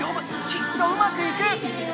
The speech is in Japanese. きっとうまくいく！